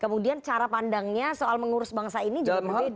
kemudian cara pandangnya soal mengurus bangsa ini juga berbeda